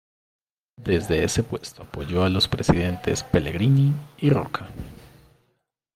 Desde ese puesto apoyó a los presidentes Pellegrini y Roca.